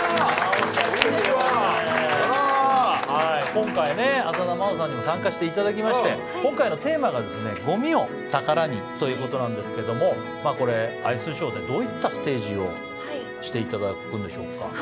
今回、浅田真央さんにも参加していただきまして今回のテーマが、「ごみを宝に」ということなんですけど、アイスショーでどういったステージをしていただくんでしょうか？